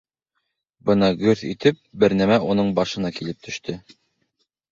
Бына гөрҫ итеп бер нәмә уның башына килеп төштө.